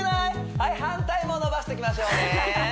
はい反対も伸ばしていきましょうね